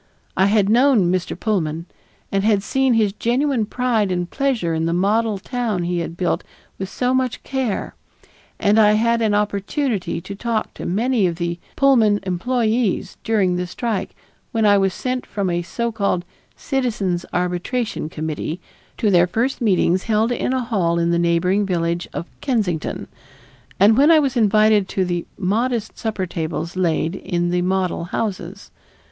I had known Mr. Pullman and had seen his genuine pride and pleasure in the model town he had built with so much care; and I had an opportunity to talk to many of the Pullman employees during the strike when I was sent from a so called "Citizens' Arbitration Committee" to their first meetings held in a hall in the neighboring village of Kensington, and when I was invited to the modest supper tables laid in the model houses.